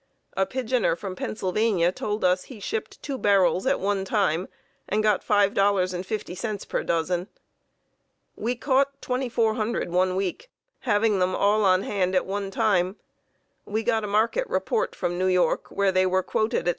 A pigeoner from Pennsylvania told us he shipped two barrels at one time and got $5.50 per dozen. We caught 2,400 one week, having them all on hand at one time. We got a market report from New York where they were quoted at $6.